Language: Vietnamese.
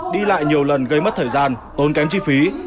đi lại nhiều lần gây mất thời gian tốn kém chi phí